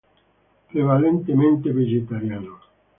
Prevalentemente vegetariano.